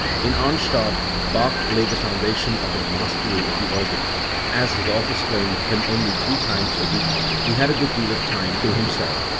In Arnstadt Bach laid the foundation of his mastery of the organ. As his office claimed him only three trnes a week, he had a good deal of time to himself.